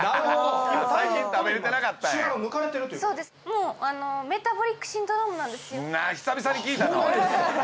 もうメタボリックシンドロームなんですよ。